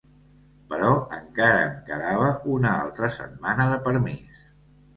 Però encara em quedava una altra setmana de permís